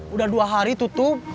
udah dua hari tutup